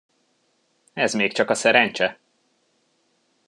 Ez még csak a szerencse!